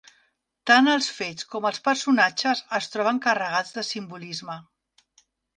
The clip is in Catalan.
Tant els fets com els personatges es troben carregats de simbolisme.